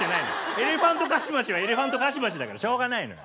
エレファントカシマシはエレファントカシマシだからしょうがないのよ。